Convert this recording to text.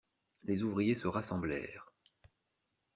Les ouvriers se rassemblèrent.